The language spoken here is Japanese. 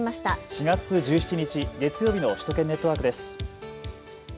４月１７日、月曜日の首都圏ネットワークです。